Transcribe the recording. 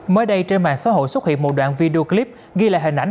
mới đây trên mạng xã hội xuất hiện một đoạn video clip ghi lại hình ảnh